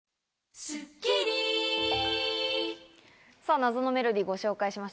謎のメロディーをご紹介しました。